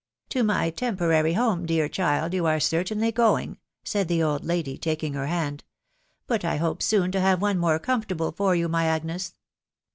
M " To my temporary home, dear child, you are certainly going," said the old lady, taking her hand ;" but I hope soon to have one more comfortable for you, my Agnes